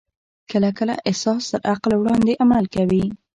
کله کله احساس تر عقل وړاندې عمل کوي.